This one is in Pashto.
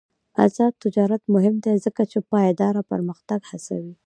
آزاد تجارت مهم دی ځکه چې پایداره پرمختګ هڅوي.